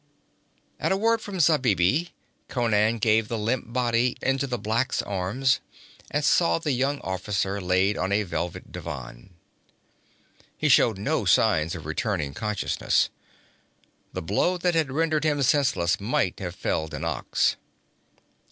At a word from Zabibi, Conan gave the limp body into the black's arms, and saw the young officer laid on a velvet divan. He showed no signs of returning consciousness. The blow that had rendered him senseless might have felled an ox.